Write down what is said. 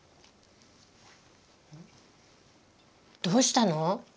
どうしたの？